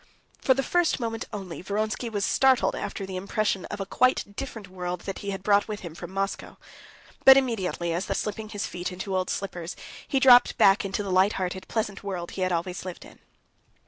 For the first moment only, Vronsky was startled after the impression of a quite different world that he had brought with him from Moscow. But immediately as though slipping his feet into old slippers, he dropped back into the light hearted, pleasant world he had always lived in.